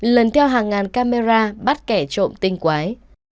lần theo hàng ngàn camera bắt kẻ trộm tinh quái